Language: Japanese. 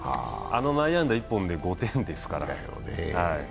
あの内野安打１本で５点ですから。